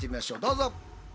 どうぞ！